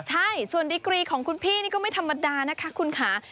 ใช่ส่วนดีกรีของคุณพี่นี่ก็ไม่ธรรมดานะคะคุณค่ะ